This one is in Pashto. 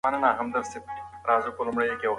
احمد وویل چي زه بېدېږم.